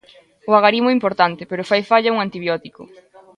O agarimo é importante, pero fai falla un antibiótico.